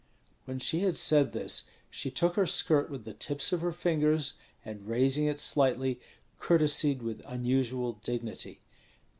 When she had said this she took her skirt with the tips of her fingers, and raising it slightly, courtesied with unusual dignity.